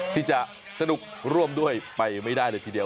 ที่จะสนุกร่วมด้วยไปไม่ได้เลยทีเดียว